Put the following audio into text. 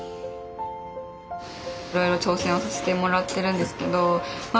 いろいろ挑戦をさせてもらってるんですけどまあ